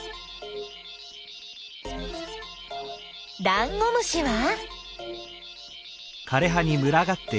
ダンゴムシは？